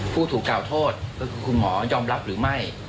ผู้ถูกกล่าวโทษก็คือคุณหมอยอมรับหรือไม่